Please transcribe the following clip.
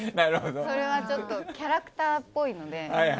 それはちょっとキャラクターっぽいので。